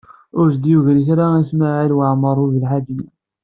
Ur s-d-yegri kra i Smawil Waɛmaṛ U Belḥaǧ-nni.